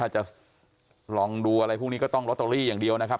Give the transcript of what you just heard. ถ้าจะลองดูอะไรพวกนี้ก็ต้องลอตเตอรี่อย่างเดียวนะครับ